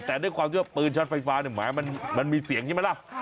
แต่ด้วยความที่ว่าปืนช็อตไฟฟ้ามันมีเสียงใช่ไหมล่ะ